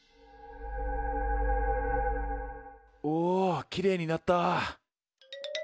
おきれいになった。